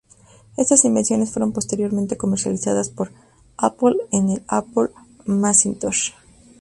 Estas invenciones fueron posteriormente comercializadas por Apple en el Apple Macintosh.